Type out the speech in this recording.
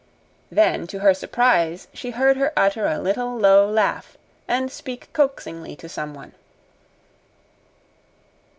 Then, to her surprise, she heard her utter a little, low laugh and speak coaxingly to someone.